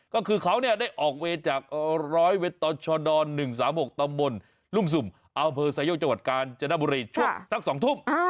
ก็คือเขาได้ออกเวรจากร้อยเวทตชด๑๓๖ตำบลรุ่มสุ่มอำเภอไซโยกจังหวัดกาญจนบุรีช่วงสัก๒ทุ่ม